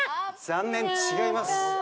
残念違います。